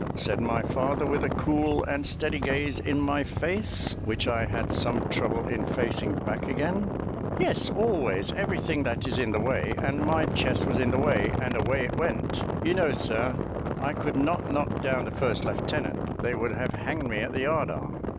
said my father, with a cool and steady gaze in my face, which I had some trouble in facing back again. "Yes; always everything that is in the way, and my chest was in the way, and away it went. You know, sir, I could not knock down the first lieutenant: they would have hanged me at the yard arm."